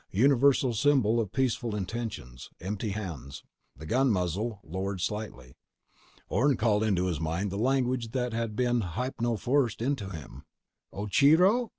Universal symbol of peaceful intentions: empty hands. The gun muzzle lowered slightly. Orne called into his mind the language that had been hypnoforced into him. _Ocheero?